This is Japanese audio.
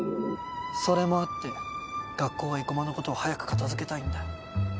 それもあって学校は生駒のことを早く片付けたいんだよ。